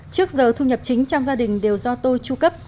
trước giờ thu nhập chính trong gia đình đều do tôi tru cấp